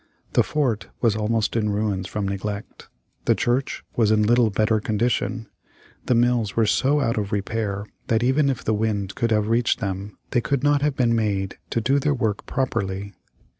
The fort was almost in ruins from neglect. The church was in little better condition. The mills were so out of repair that even if the wind could have reached them they could not have been made to do their work properly.